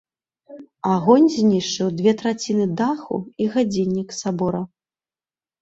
Агонь знішчыў дзве траціны даху і гадзіннік сабора.